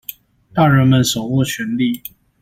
大人們手握權利